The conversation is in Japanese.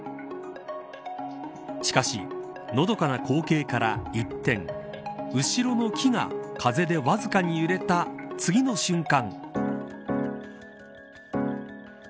しかし、のどかな光景から一転後ろの木が風でわずかに揺れた次の瞬間。